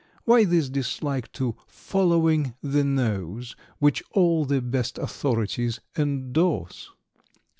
Why this dislike to 'following the nose' `Which all the best authorities endorse?"